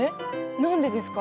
何でですか？